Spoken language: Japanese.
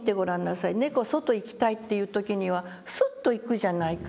猫は外へ行きたいっていう時にはスッと行くじゃないか」